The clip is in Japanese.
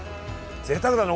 ぜいたくだね